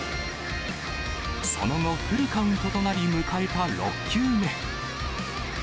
その後、フルカウントとなり、迎えた６球目。